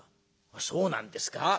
「そうなんですか。